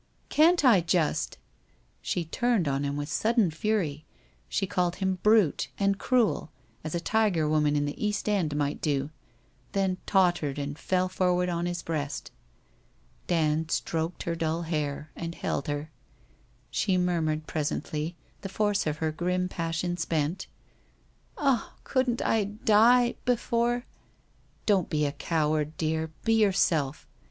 'Can't I, just?' She turned on him with sudden fury, she called him brute and cruel, as a tiger woman in the East End might do, then tottered and fell forward on his breast. Dand stroked her dull hair, and held her. She mur mured presently, the force of her grim passion spent 'Ah, couldn't I die — before '' Don't be a coward, dear. Be yourself.